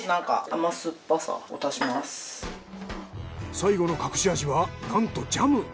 最後の隠し味はなんとジャム！